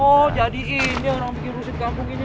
oh jadiin dia orang bikin rusik kampung ini